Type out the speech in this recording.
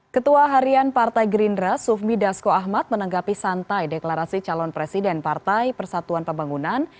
ketua harian partai gerindra sufmi dasko ahmad menanggapi santai deklarasi calon presiden partai persatuan pembangunan